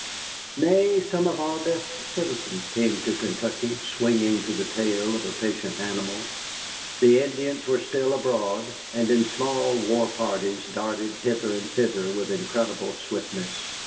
Nay, some of our best citizens came to Kentucky swinging to the tail of a patient animal. The Indians were still abroad, and in small war parties darted hither and thither with incredible swiftness.